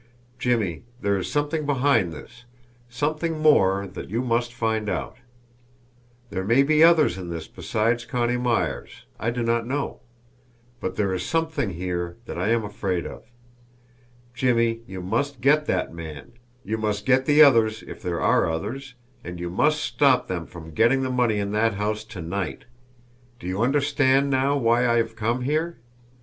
Jimmie, there is something behind this, something more that you must find out. There may be others in this besides Connie Myers, I do not know; but there is something here that I am afraid of. Jimmie, you must get that man, you must get the others if there are others, and you must stop them from getting the money in that house to night! Do you understand now why I have come here?